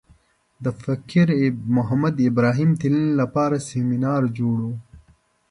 د فقیر محمد ابراهیم تلین لپاره سمینار جوړ و.